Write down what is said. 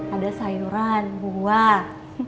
ada sayuran buah